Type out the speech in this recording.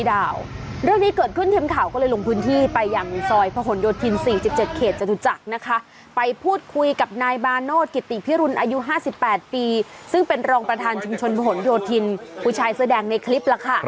อ้าวแล้วเดี๋ยวกลายเป็นคดีซ้อนไปอีกแล้วเนี่ย